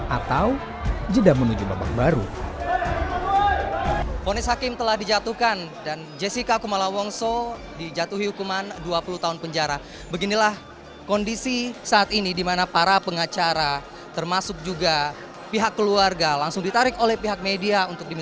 atau jeda menuju babak baru